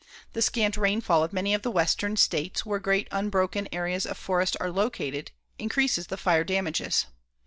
The scant rainfall of many of the western states where great unbroken areas of forest are located increases the fire damages.